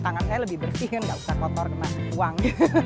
tangan saya lebih bersih kan gak usah kotor kena uang